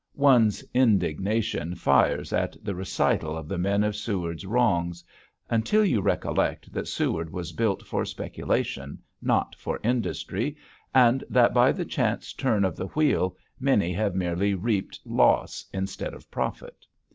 One's indignation fires at the recital of the men of Seward's wrongs, until you recollect that Seward was built for speculation, not for industry, and that by the chance turn of the wheel many have merely reaped loss instead of profit.